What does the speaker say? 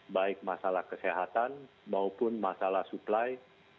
baik masalah kesehatan maupun masalah supply